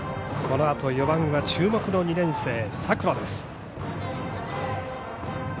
このあと４番は注目の２年生、佐倉です。